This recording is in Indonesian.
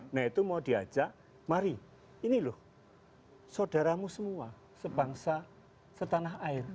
nah itu mau diajak mari ini loh saudaramu semua sebangsa setanah air